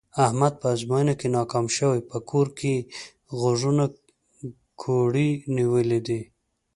احمد په ازموینه کې ناکام شوی، په کور کې یې غوږونه کوړی نیولي دي.